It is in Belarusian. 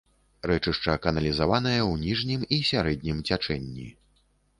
Рэчышча каналізаванае ў ніжнім і сярэднім цячэнні.